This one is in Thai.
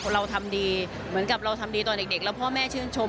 เราทำดีเหมือนกับเราทำดีตอนเด็กแล้วพ่อแม่ชื่นชม